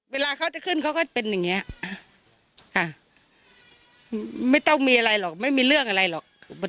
เวลาเขาจะขึ้นเขาก็เป็นอย่างนี้ไม่ต้องมีอะไรหรอกไม่มีเรื่องอะไรหรอก